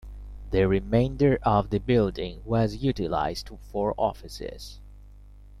The remainder of the building was utilized for offices.